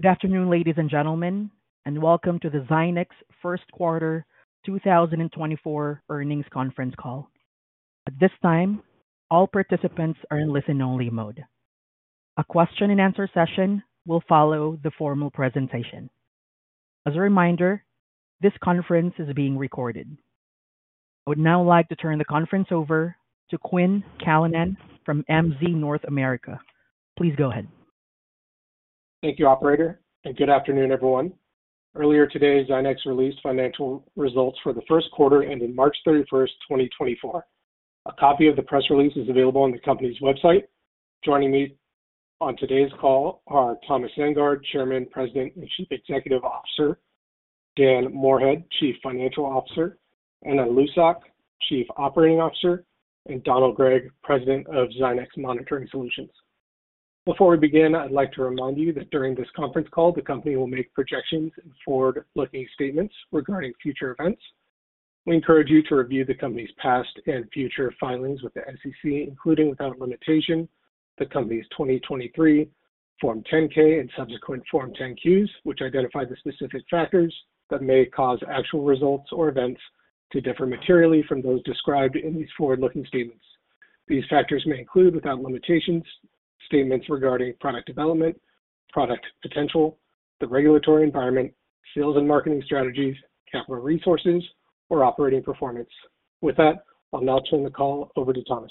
Good afternoon, ladies and gentlemen, and welcome to the Zynex First Quarter 2024 earnings conference call. At this time, all participants are in listen-only mode. A question-and-answer session will follow the formal presentation. As a reminder, this conference is being recorded. I would now like to turn the conference over to Quinn Callanan from MZ North America. Please go ahead. Thank you, operator, and good afternoon, everyone. Earlier today, Zynex released financial results for the first quarter ending March 31, 2024. A copy of the press release is available on the company's website. Joining me on today's call are Thomas Sandgaard, Chairman, President, and Chief Executive Officer; Dan Moorhead, Chief Financial Officer; Anna Lucsok, Chief Operating Officer; and Donald Gregg, President of Zynex Monitoring Solutions. Before we begin, I'd like to remind you that during this conference call, the company will make projections and forward-looking statements regarding future events. We encourage you to review the company's past and future filings with the SEC, including, without limitation, the company's 2023 Form 10-K, and subsequent Form 10-Qs, which identify the specific factors that may cause actual results or events to differ materially from those described in these forward-looking statements. These factors may include, without limitations, statements regarding product development, product potential, the regulatory environment, sales and marketing strategies, capital resources, or operating performance. With that, I'll now turn the call over to Thomas.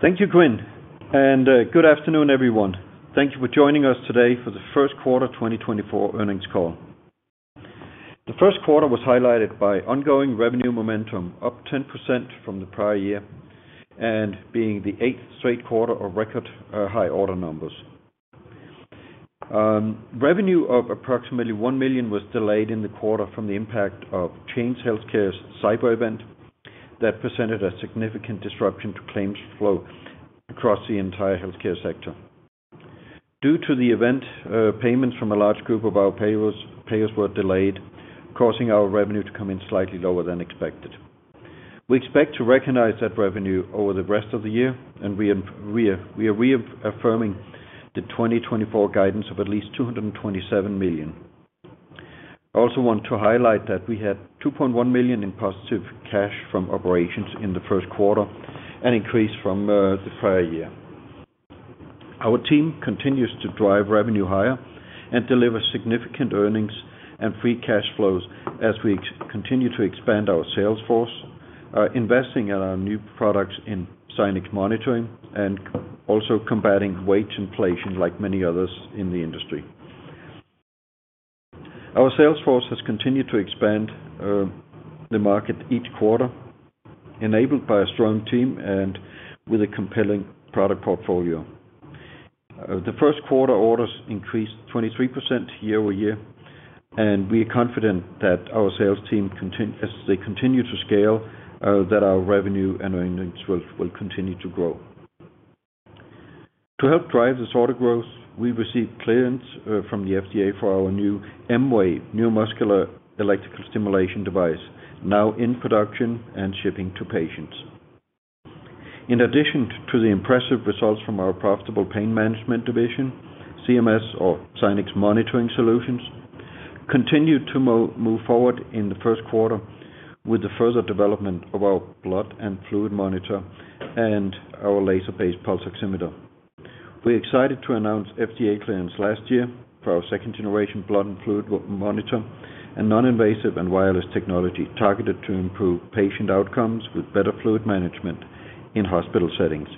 Thank you, Quinn. Good afternoon, everyone. Thank you for joining us today for the first quarter 2024 earnings call. The first quarter was highlighted by ongoing revenue momentum, up 10% from the prior year, and being the eighth straight quarter of record high order numbers. Revenue of approximately $1 million was delayed in the quarter from the impact of Change Healthcare's cyber event that presented a significant disruption to claims flow across the entire healthcare sector. Due to the event, payments from a large group of our payers were delayed, causing our revenue to come in slightly lower than expected. We expect to recognize that revenue over the rest of the year, and we are reaffirming the 2024 guidance of at least $227 million. I also want to highlight that we had $2.1 million in positive cash from operations in the first quarter, an increase from the prior year. Our team continues to drive revenue higher and deliver significant earnings and free cash flows as we continue to expand our sales force, investing in our new products in Zynex Monitoring, and also combating wage inflation like many others in the industry. Our sales force has continued to expand the market each quarter, enabled by a strong team and with a compelling product portfolio. The first quarter orders increased 23% year-over-year, and we are confident that our sales team, as they continue to scale, that our revenue and earnings will continue to grow. To help drive this order growth, we received clearance from the FDA for our new M-Wave, neuromuscular electrical stimulation device, now in production and shipping to patients. In addition to the impressive results from our profitable Pain Management Division, ZMS, or Zynex Monitoring Solutions, continued to move forward in the first quarter with the further development of our blood and fluid monitor and our laser-based pulse oximeter. We are excited to announce FDA clearance last year for our second-generation blood and fluid monitor and non-invasive and wireless technology targeted to improve patient outcomes with better fluid management in hospital settings.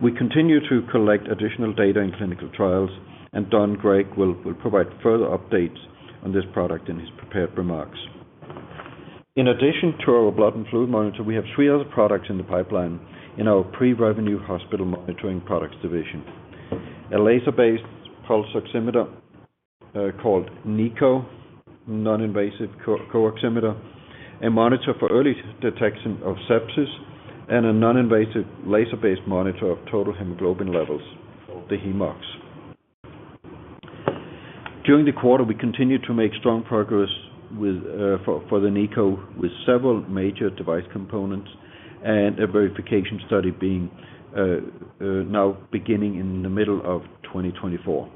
We continue to collect additional data in clinical trials, and Don Gregg will provide further updates on this product in his prepared remarks. In addition to our blood and fluid monitor, we have three other products in the pipeline in our pre-revenue Hospital Monitoring Products Division: a laser-based pulse oximeter called NiCO, non-invasive CO-oximeter, a monitor for early detection of sepsis, and a non-invasive laser-based monitor of total hemoglobin levels, the HemeOx. During the quarter, we continued to make strong progress for the NiCO with several major device components and a verification study now beginning in the middle of 2024.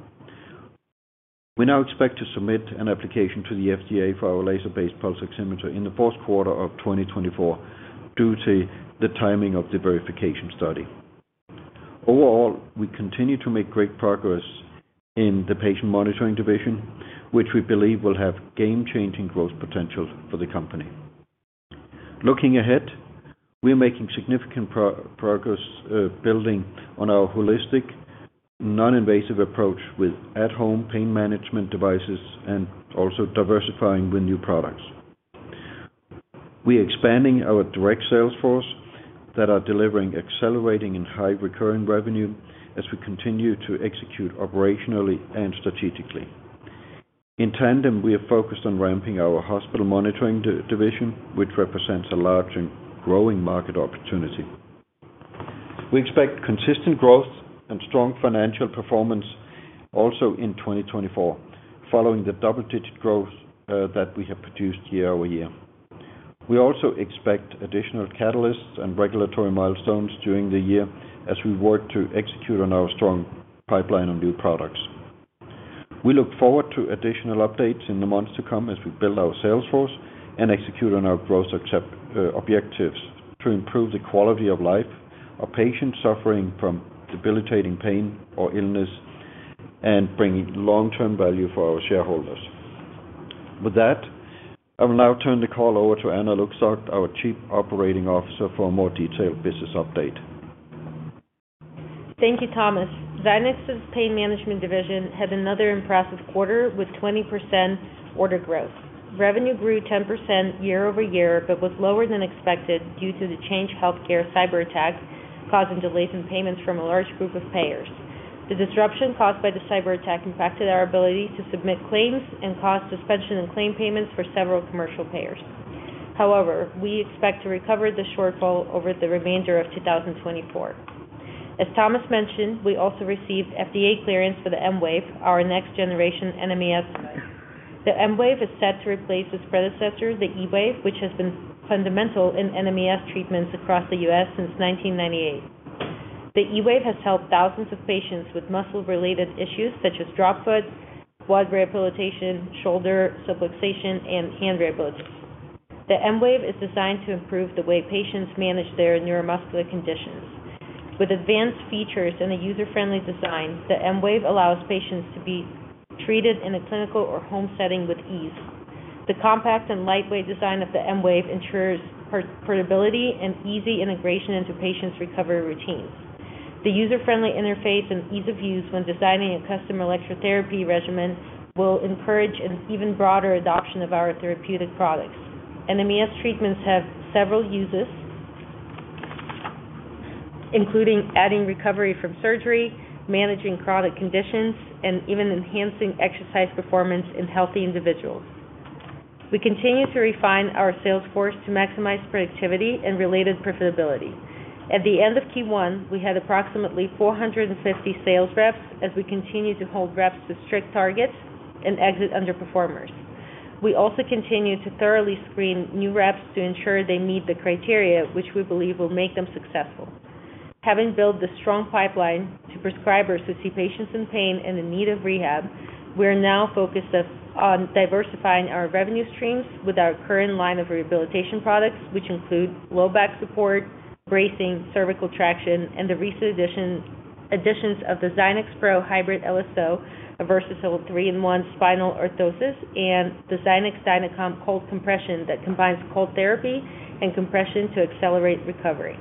We now expect to submit an application to the FDA for our laser-based pulse oximeter in the fourth quarter of 2024 due to the timing of the verification study. Overall, we continue to make great progress in the Patient Monitoring Division, which we believe will have game-changing growth potential for the company. Looking ahead, we are making significant progress building on our holistic, non-invasive approach with at-home pain management devices and also diversifying with new products. We are expanding our direct sales force that are delivering accelerating and high recurring revenue as we continue to execute operationally and strategically. In tandem, we are focused on ramping our Hospital Monitoring Division, which represents a large and growing market opportunity. We expect consistent growth and strong financial performance also in 2024, following the double-digit growth that we have produced year-over-year. We also expect additional catalysts and regulatory milestones during the year as we work to execute on our strong pipeline of new products. We look forward to additional updates in the months to come as we build our sales force and execute on our growth objectives to improve the quality of life of patients suffering from debilitating pain or illness and bringing long-term value for our shareholders. With that, I will now turn the call over to Anna Lucsok, our Chief Operating Officer, for a more detailed business update. Thank you, Thomas. Zynex's Pain Management Division had another impressive quarter with 20% order growth. Revenue grew 10% year-over-year but was lower than expected due to the Change Healthcare cyber attack causing delays in payments from a large group of payers. The disruption caused by the cyber attack impacted our ability to submit claims and caused suspension in claim payments for several commercial payers. However, we expect to recover the shortfall over the remainder of 2024. As Thomas mentioned, we also received FDA clearance for the M-Wave, our next-generation NMES. The M-Wave is set to replace its predecessor, the E-Wave, which has been fundamental in NMES treatments across the U.S. since 1998. The E-Wave has helped thousands of patients with muscle-related issues such as drop foot, quad rehabilitation, shoulder subluxation, and hand rehabilitation. The M-Wave is designed to improve the way patients manage their neuromuscular conditions. With advanced features and a user-friendly design, the M-Wave allows patients to be treated in a clinical or home setting with ease. The compact and lightweight design of the M-Wave ensures portability and easy integration into patients' recovery routines. The user-friendly interface and ease of use when designing a custom electrotherapy regimen will encourage an even broader adoption of our therapeutic products. NMES treatments have several uses, including aiding recovery from surgery, managing chronic conditions, and even enhancing exercise performance in healthy individuals. We continue to refine our sales force to maximize productivity and related profitability. At the end of Q1, we had approximately 450 sales reps as we continue to hold reps to strict targets and exit underperformers. We also continue to thoroughly screen new reps to ensure they meet the criteria, which we believe will make them successful. Having built the strong pipeline to prescribers who see patients in pain and in need of rehab, we are now focused on diversifying our revenue streams with our current line of rehabilitation products, which include low back support, bracing, cervical traction, and the recent additions of the Zynex Pro Hybrid LSO, a versatile three-in-one spinal orthosis, and the Zynex DynaComp Cold Compression that combines cold therapy and compression to accelerate recovery.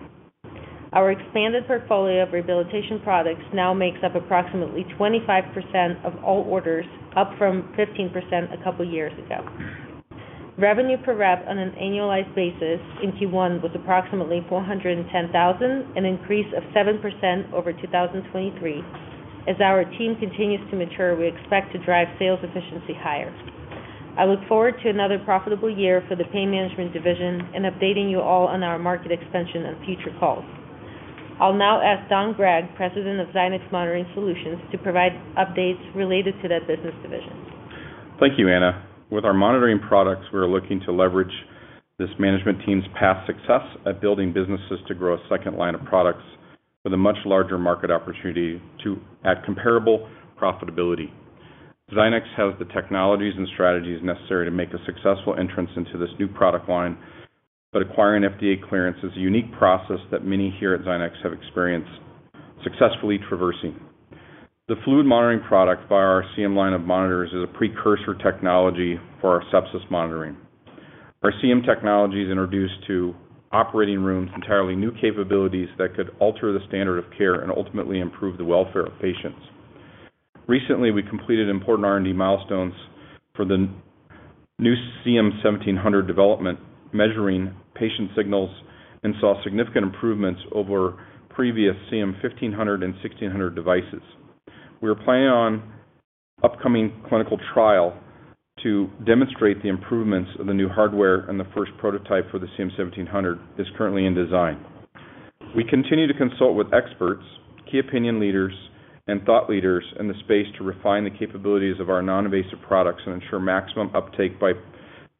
Our expanded portfolio of rehabilitation products now makes up approximately 25% of all orders, up from 15% a couple of years ago. Revenue per rep on an annualized basis in Q1 was approximately $410,000, an increase of 7% over 2023. As our team continues to mature, we expect to drive sales efficiency higher. I look forward to another profitable year for the Pain Management Division and updating you all on our market expansion and future calls. I'll now ask Don Gregg, President of Zynex Monitoring Solutions, to provide updates related to that business division. Thank you, Anna. With our monitoring products, we are looking to leverage this management team's past success at building businesses to grow a second line of products with a much larger market opportunity at comparable profitability. Zynex has the technologies and strategies necessary to make a successful entrance into this new product line, but acquiring FDA clearance is a unique process that many here at Zynex have experienced successfully traversing. The fluid monitoring product via our CM line of monitors is a precursor technology for our sepsis monitoring. Our CM technology is introduced to operating rooms entirely new capabilities that could alter the standard of care and ultimately improve the welfare of patients. Recently, we completed important R&D milestones for the new CM-1700 development, measuring patient signals, and saw significant improvements over previous CM-1500 and CM-1600 devices. We are planning on an upcoming clinical trial to demonstrate the improvements of the new hardware and the first prototype for the CM-1700 that is currently in design. We continue to consult with experts, key opinion leaders, and thought leaders in the space to refine the capabilities of our non-invasive products and ensure maximum uptake by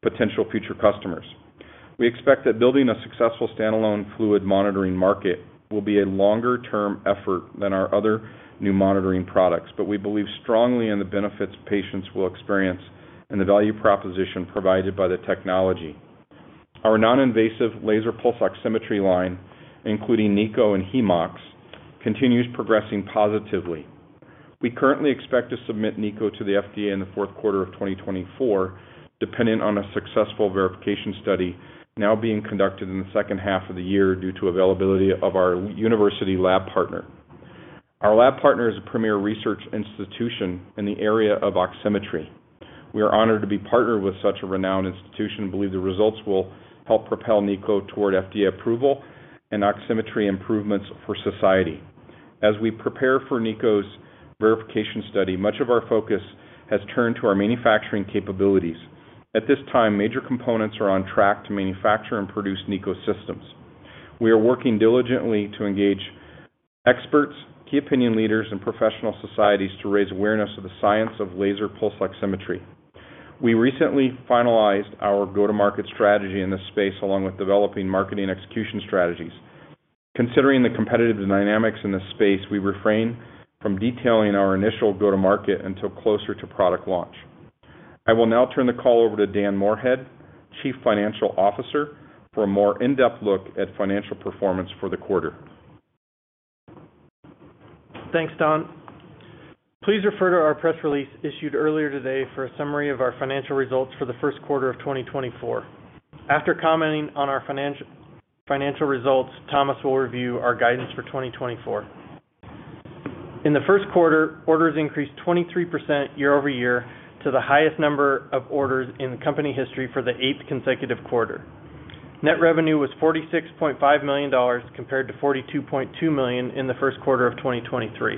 potential future customers. We expect that building a successful standalone fluid monitoring market will be a longer-term effort than our other new monitoring products, but we believe strongly in the benefits patients will experience and the value proposition provided by the technology. Our non-invasive laser pulse oximetry line, including NiCO and HemeOx, continues progressing positively. We currently expect to submit NiCO to the FDA in the fourth quarter of 2024, dependent on a successful verification study now being conducted in the second half of the year due to availability of our university lab partner. Our lab partner is a premier research institution in the area of oximetry. We are honored to be partnered with such a renowned institution and believe the results will help propel NiCO toward FDA approval and oximetry improvements for society. As we prepare for NiCO's verification study, much of our focus has turned to our manufacturing capabilities. At this time, major components are on track to manufacture and produce NiCO systems. We are working diligently to engage experts, key opinion leaders, and professional societies to raise awareness of the science of laser pulse oximetry. We recently finalized our go-to-market strategy in this space along with developing marketing execution strategies. Considering the competitive dynamics in this space, we refrain from detailing our initial go-to-market until closer to product launch. I will now turn the call over to Dan Moorhead, Chief Financial Officer, for a more in-depth look at financial performance for the quarter. Thanks, Don. Please refer to our press release issued earlier today for a summary of our financial results for the first quarter of 2024. After commenting on our financial results, Thomas will review our guidance for 2024. In the first quarter, orders increased 23% year-over-year to the highest number of orders in the company history for the eighth consecutive quarter. Net revenue was $46.5 million compared to $42.2 million in the first quarter of 2023.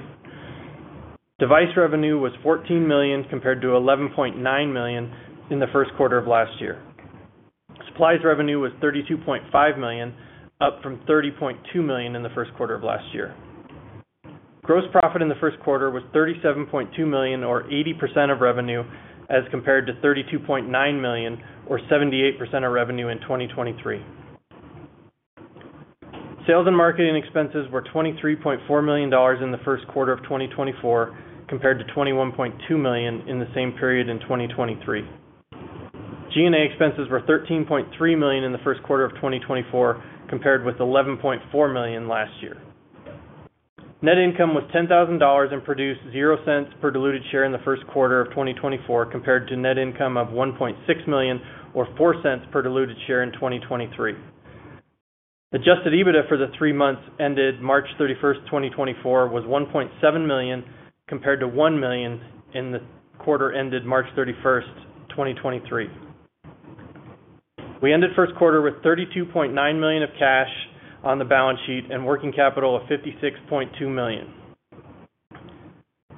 Device revenue was $14 million compared to $11.9 million in the first quarter of last year. Supplies revenue was $32.5 million, up from $30.2 million in the first quarter of last year. Gross profit in the first quarter was $37.2 million, or 80% of revenue, as compared to $32.9 million, or 78% of revenue in 2023. Sales and marketing expenses were $23.4 million in the first quarter of 2024 compared to $21.2 million in the same period in 2023. G&A expenses were $13.3 million in the first quarter of 2024 compared with $11.4 million last year. Net income was $10,000 and produced $0.00 per diluted share in the first quarter of 2024 compared to net income of $1.6 million, or $0.04 per diluted share in 2023. Adjusted EBITDA for the three months ended March 31st, 2024, was $1.7 million compared to $1 million in the quarter ended March 31st, 2023. We ended first quarter with $32.9 million of cash on the balance sheet and working capital of $56.2 million.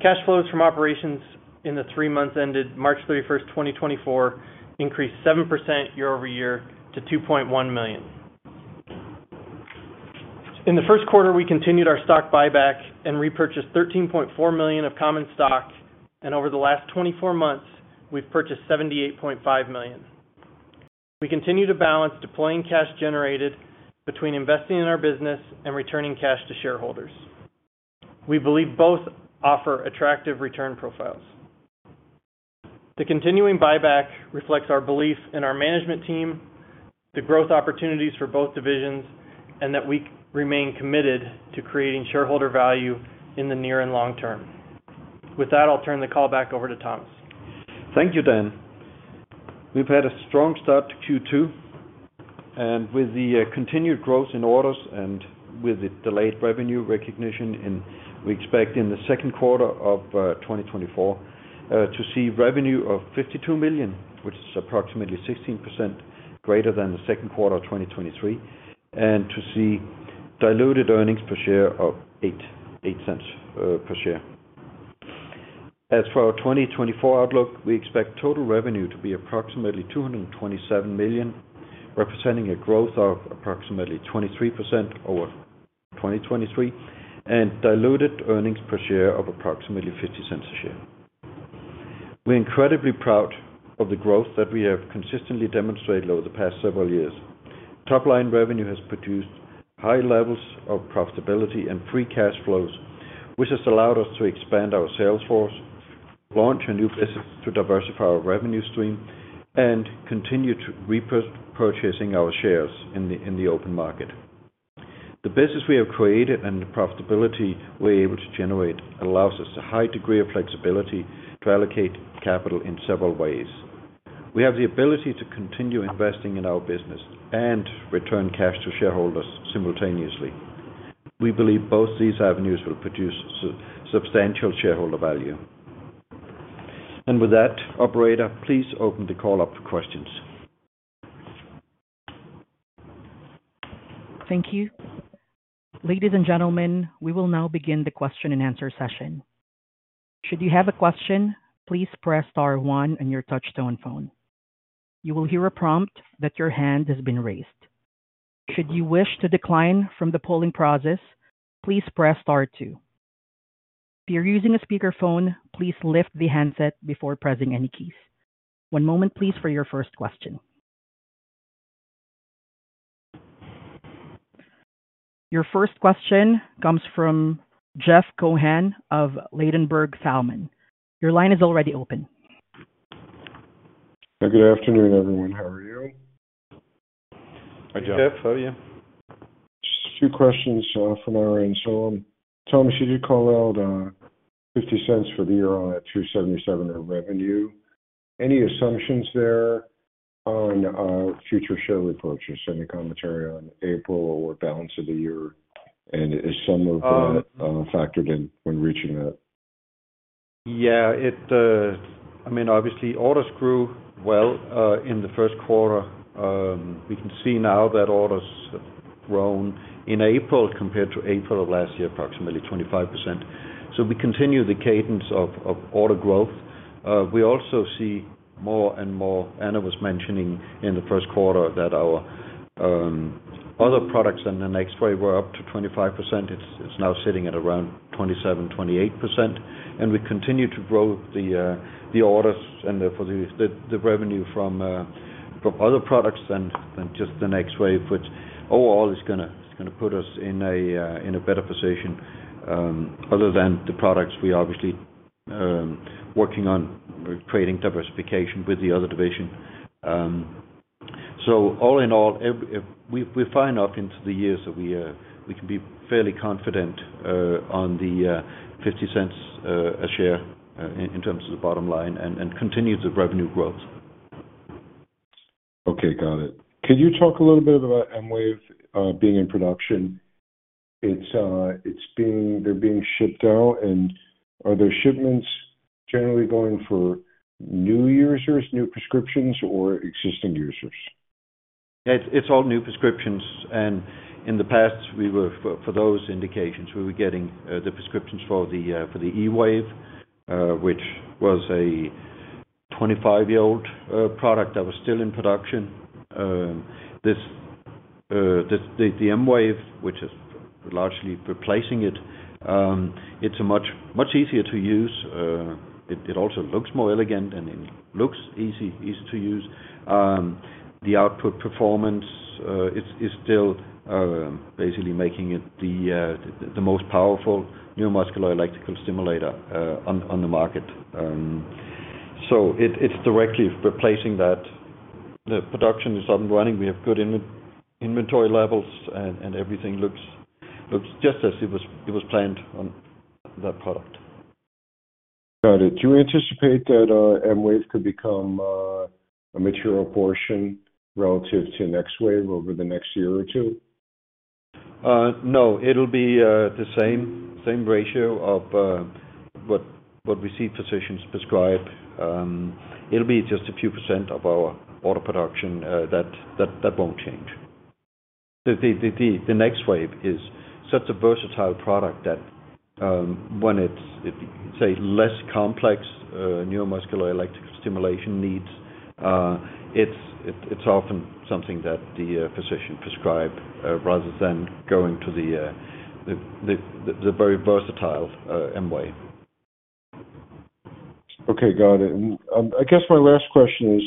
Cash flows from operations in the three months ended March 31st, 2024, increased 7% year-over-year to $2.1 million. In the first quarter, we continued our stock buyback and repurchased $13.4 million of common stock, and over the last 24 months, we've purchased $78.5 million. We continue to balance deploying cash generated between investing in our business and returning cash to shareholders. We believe both offer attractive return profiles. The continuing buyback reflects our belief in our management team, the growth opportunities for both divisions, and that we remain committed to creating shareholder value in the near and long term. With that, I'll turn the call back over to Thomas. Thank you, Dan. We've had a strong start to Q2, and with the continued growth in orders and with the delayed revenue recognition, we expect in the second quarter of 2024 to see revenue of $52 million, which is approximately 16% greater than the second quarter of 2023, and to see diluted earnings per share of $0.08 per share. As for our 2024 outlook, we expect total revenue to be approximately $227 million, representing a growth of approximately 23% over 2023, and diluted earnings per share of approximately $0.50 a share. We're incredibly proud of the growth that we have consistently demonstrated over the past several years. Top-line revenue has produced high levels of profitability and free cash flows, which has allowed us to expand our sales force, launch a new business to diversify our revenue stream, and continue to repurchasing our shares in the open market. The business we have created and the profitability we're able to generate allows us a high degree of flexibility to allocate capital in several ways. We have the ability to continue investing in our business and return cash to shareholders simultaneously. We believe both these avenues will produce substantial shareholder value. With that, operator, please open the call up for questions. Thank you. Ladies and gentlemen, we will now begin the question-and-answer session. Should you have a question, please press star 1 on your touch-tone phone. You will hear a prompt that your hand has been raised. Should you wish to decline from the polling process, please press star 2. If you're using a speakerphone, please lift the handset before pressing any keys. One moment, please, for your first question. Your first question comes from Jeffrey Cohen of Ladenburg Thalmann. Your line is already open. Good afternoon, everyone. How are you? Hi, Jeff. How are you? Just a few questions from our end. Thomas said you called out $0.50 for the year on that $277 in revenue. Any assumptions there on future share repurchase? Any commentary on April or balance of the year? Is some of that factored in when reaching that? Yeah. I mean, obviously, orders grew well in the first quarter. We can see now that orders have grown in April compared to April of last year, approximately 25%. So we continue the cadence of order growth. We also see more and more Anna was mentioning in the first quarter that our other products and the next wave were up to 25%. It's now sitting at around 27%-28%. And we continue to grow the orders and the revenue from other products than just the next wave, which overall is going to put us in a better position other than the products we're obviously working on, creating diversification with the other division. So all in all, we're fine up into the years, so we can be fairly confident on the $0.50 a share in terms of the bottom line and continue the revenue growth. Okay. Got it. Could you talk a little bit about M-Wave being in production? They're being shipped out. And are their shipments generally going for new users, new prescriptions, or existing users? Yeah. It's all new prescriptions. In the past, for those indications, we were getting the prescriptions for the E-Wave, which was a 25-year-old product that was still in production. The M-Wave, which is largely replacing it, it's much easier to use. It also looks more elegant, and it looks easy to use. The output performance is still basically making it the most powerful neuromuscular electrical stimulator on the market. So it's directly replacing that. The production is up and running. We have good inventory levels, and everything looks just as it was planned on that product. Got it. Do you anticipate that M-Wave could become a mature portion relative to NexWave over the next year or two? No. It'll be the same ratio of what we see physicians prescribe. It'll be just a few percent of our order production that won't change. The NexWave is such a versatile product that when it's, say, less complex neuromuscular electrical stimulation needs, it's often something that the physician prescribe rather than going to the very versatile M-Wave. Okay. Got it. And I guess my last question is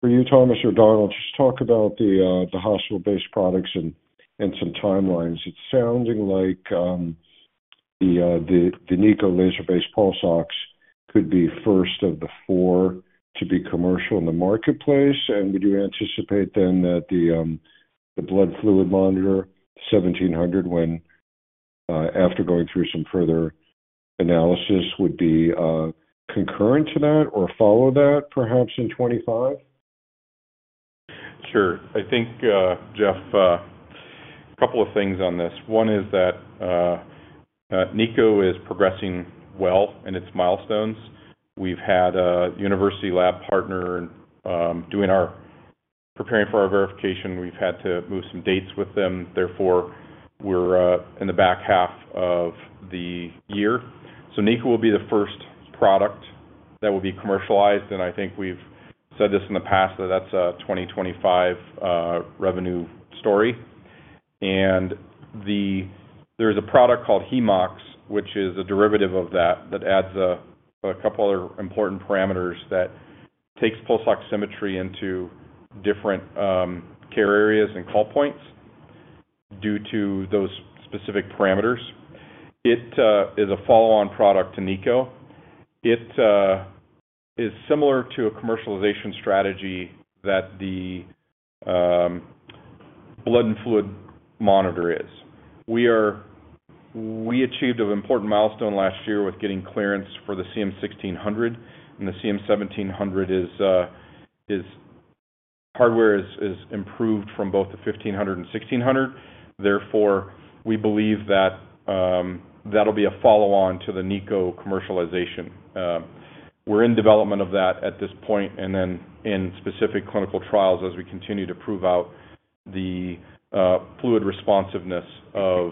for you, Thomas or Donald, just talk about the hospital-based products and some timelines. It's sounding like the NiCO laser-based pulse ox could be first of the 4 to be commercial in the marketplace. And would you anticipate then that the blood fluid monitor, the 1700, after going through some further analysis, would be concurrent to that or follow that perhaps in 2025? Sure. I think, Jeff, a couple of things on this. One is that NiCO is progressing well in its milestones. We've had a university lab partner preparing for our verification. We've had to move some dates with them. Therefore, we're in the back half of the year. So NiCO will be the first product that will be commercialized. And I think we've said this in the past that that's a 2025 revenue story. And there's a product called HemeOx, which is a derivative of that that adds a couple other important parameters that takes pulse oximetry into different care areas and call points due to those specific parameters. It is a follow-on product to NiCO. It is similar to a commercialization strategy that the blood and fluid monitor is. We achieved an important milestone last year with getting clearance for the CM-1600. The CM-1700's hardware is improved from both the CM-1500 and CM-1600. Therefore, we believe that that'll be a follow-on to the NiCO commercialization. We're in development of that at this point and then in specific clinical trials as we continue to prove out the fluid responsiveness of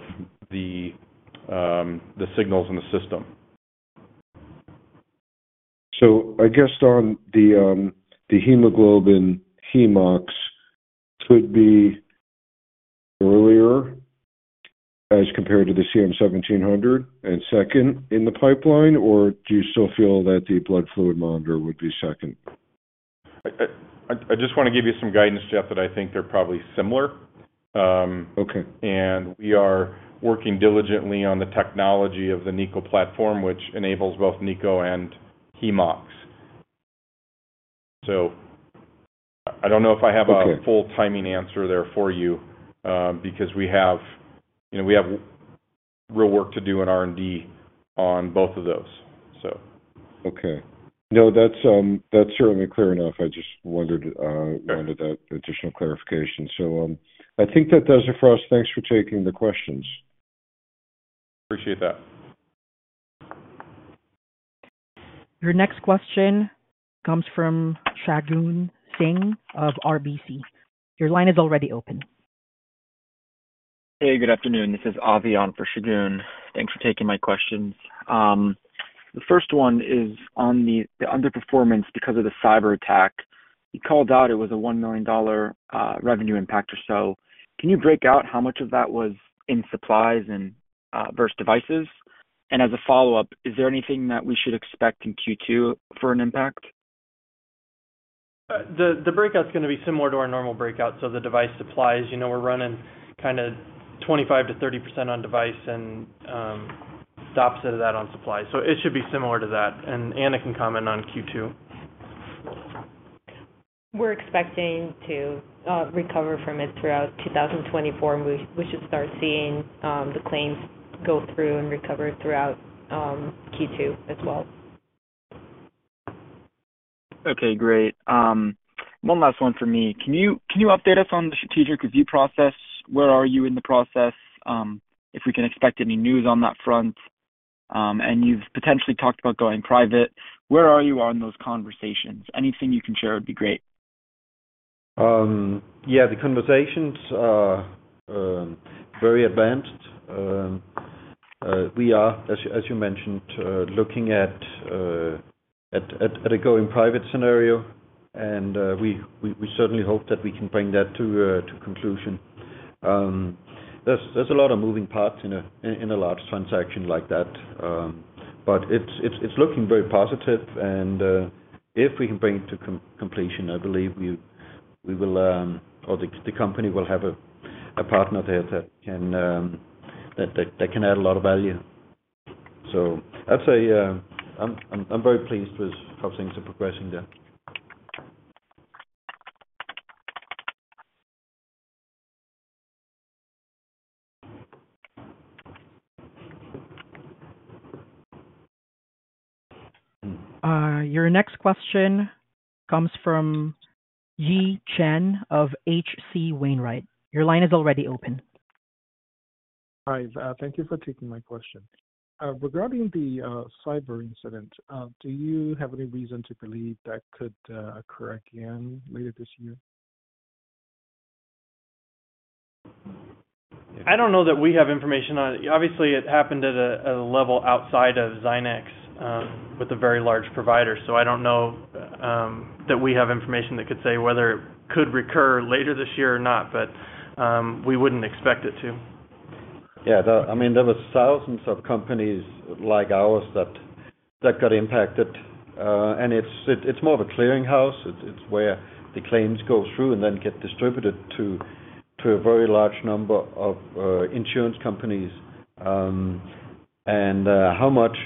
the signals in the system. I guess Donald, the hemoglobin HemeOx could be earlier as compared to the CM-1700 and second in the pipeline, or do you still feel that the blood fluid monitor would be second? I just want to give you some guidance, Jeff, that I think they're probably similar. We are working diligently on the technology of the NiCO platform, which enables both NiCO and HemeOx. So I don't know if I have a full timing answer there for you because we have real work to do in R&D on both of those, so. Okay. No, that's certainly clear enough. I just wanted that additional clarification. So I think that does it for us. Thanks for taking the questions. Appreciate that. Your next question comes from Shagun Singh of RBC. Your line is already open. Hey. Good afternoon. This is Avi for Shagun. Thanks for taking my questions. The first one is on the underperformance because of the cyberattack. You called out it was a $1 million revenue impact or so. Can you break out how much of that was in supplies versus devices? And as a follow-up, is there anything that we should expect in Q2 for an impact? The breakout's going to be similar to our normal breakout. So the device supplies, we're running kind of 25%-30% on device and the opposite of that on supplies. So it should be similar to that. And Anna can comment on Q2. We're expecting to recover from it throughout 2024, and we should start seeing the claims go through and recover throughout Q2 as well. Okay. Great. One last one for me. Can you update us on the strategic review process? Where are you in the process? If we can expect any news on that front. And you've potentially talked about going private. Where are you on those conversations? Anything you can share would be great. Yeah. The conversations are very advanced. We are, as you mentioned, looking at a going private scenario, and we certainly hope that we can bring that to conclusion. There's a lot of moving parts in a large transaction like that, but it's looking very positive. And if we can bring it to completion, I believe we will or the company will have a partner there that can add a lot of value. So I'd say I'm very pleased with how things are progressing there. Your next question comes from Yi Chen of H.C. Wainwright. Your line is already open. Hi. Thank you for taking my question. Regarding the cyber incident, do you have any reason to believe that could occur again later this year? I don't know that we have information on it. Obviously, it happened at a level outside of Zynex with a very large provider, so I don't know that we have information that could say whether it could recur later this year or not, but we wouldn't expect it to. Yeah. I mean, there were thousands of companies like ours that got impacted. It's more of a clearinghouse. It's where the claims go through and then get distributed to a very large number of insurance companies. How much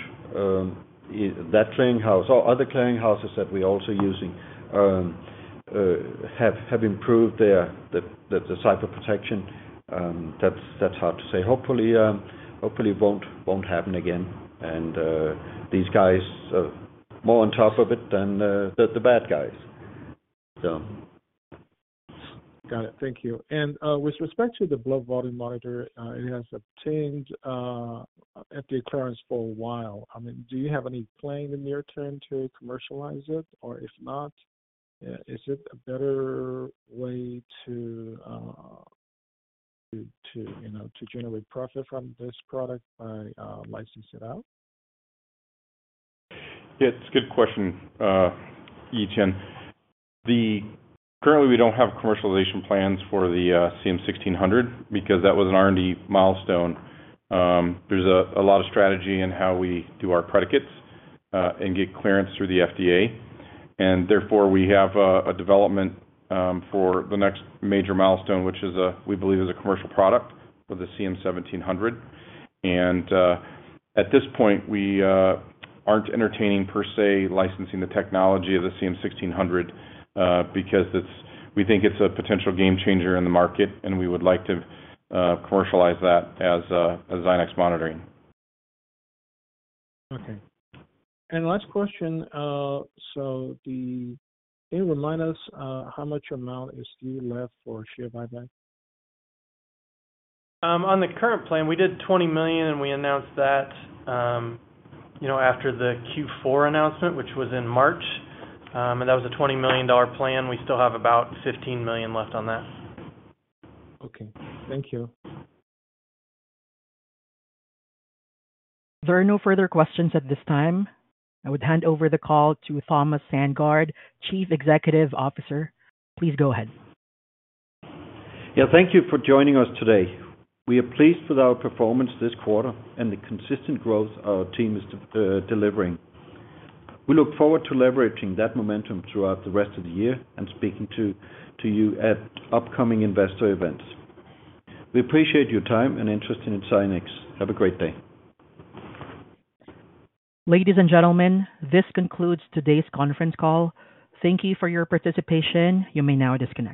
that clearinghouse or other clearinghouses that we're also using have improved their cyber protection, that's hard to say. Hopefully, it won't happen again. These guys are more on top of it than the bad guys, so. Got it. Thank you. And with respect to the blood volume monitor, it has obtained FDA clearance for a while. I mean, do you have any plan in the near term to commercialize it? Or if not, is it a better way to generate profit from this product by licensing it out? Yeah. It's a good question, Yi Chen. Currently, we don't have commercialization plans for the CM-1600 because that was an R&D milestone. There's a lot of strategy in how we do our predicates and get clearance through the FDA. And therefore, we have a development for the next major milestone, which we believe is a commercial product for the CM-1700. And at this point, we aren't entertaining, per se, licensing the technology of the CM-1600 because we think it's a potential game-changer in the market, and we would like to commercialize that as Zynex Monitoring. Okay. Last question. Can you remind us how much amount is due left for share buyback? On the current plan, we did $20 million, and we announced that after the Q4 announcement, which was in March. That was a $20 million plan. We still have about $15 million left on that. Okay. Thank you. There are no further questions at this time. I would hand over the call to Thomas Sandgaard, Chief Executive Officer. Please go ahead. Yeah. Thank you for joining us today. We are pleased with our performance this quarter and the consistent growth our team is delivering. We look forward to leveraging that momentum throughout the rest of the year and speaking to you at upcoming investor events. We appreciate your time and interest in Zynex. Have a great day. Ladies and gentlemen, this concludes today's conference call. Thank you for your participation. You may now disconnect.